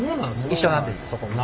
一緒なんですそこも。